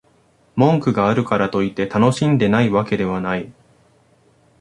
文句があるからといって、楽しんでないわけではない